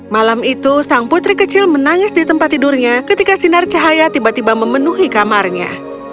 malam itu sang putri kecil menangis di tempat tidurnya ketika sinar cahaya tiba tiba memenuhi kamarnya